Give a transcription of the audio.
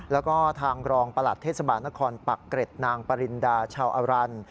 แล้วก็ทางรองประหลัดเทศบาลนครปักเกร็ดนางปริณดาชาวอรัน